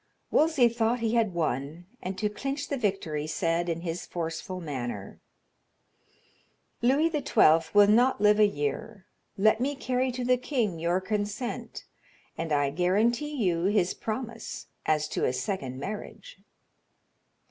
Wolsey thought he had won, and to clinch the victory said, in his forceful manner: "Louis XII will not live a year; let me carry to the king your consent, and I guarantee you his promise as to a second marriage."